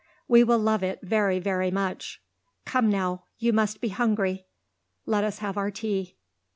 We will love it very, very much. Come now, you must be hungry; let us have our tea."